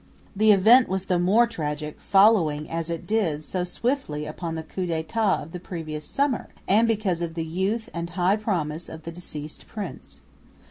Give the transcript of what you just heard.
The event was the more tragic, following, as it did, so swiftly upon the coup d'état of the previous summer, and because of the youth and high promise of the deceased prince.